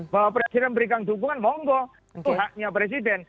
bahwa presiden memberikan dukungan omgoh itu haknya presiden